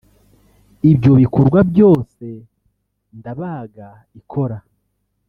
Ibyo bikorwa byose “Ndabaga” ikora